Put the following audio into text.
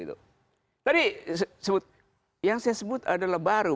tadi yang saya sebut adalah baru